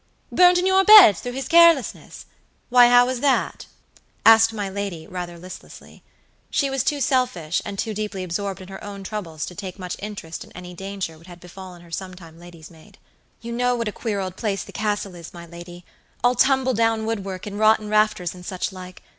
"Burnt in your beds through his carelessness! Why, how was that?" asked my lady, rather listlessly. She was too selfish, and too deeply absorbed in her own troubles to take much interest in any danger which had befallen her some time lady's maid. "You know what a queer old place the Castle is, my lady; all tumble down wood work, and rotten rafters, and such like.